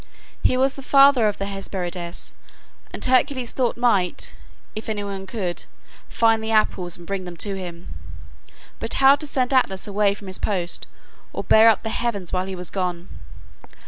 He was the father of the Hesperides, and Hercules thought might, if any one could, find the apples and bring them to him. But how to send Atlas away from his post, or bear up the heavens while he was gone?